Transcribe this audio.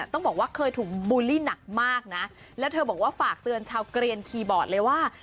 ต้องบอกว่าเคยถูกบูลลี่หนักมากนะแล้วเธอบอกว่าฝากเตือนชาวเกรียนคีย์บอร์ดเลยว่า